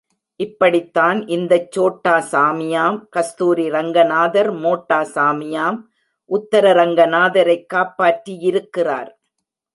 இப்படித்தான் இந்தச் சோட்டா சாமியாம் கஸ்தூரி ரங்கநாதர் மோட்டா சாமியாம் உத்தர ரங்கநாதரைக் காப்பாற்றியிருக்கிறார்.